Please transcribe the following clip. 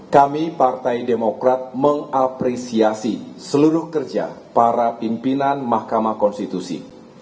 kami partai demokrat mengapresiasi seluruh kerja para pimpinan mahkamah konstitusi